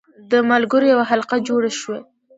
د ملګرو یوه حلقه جوړه شوه.